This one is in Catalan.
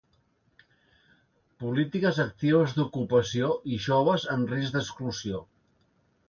Polítiques actives d'ocupació i joves en risc d'exclusió.